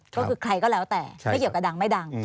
ก็คือใครก็แล้วแต่ไม่เกี่ยวกับดังไม่ดัง